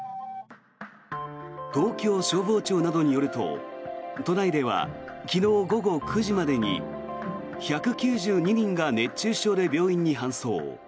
東京消防庁などによると都内では昨日午後９時までに１９２人が熱中症で病院に搬送。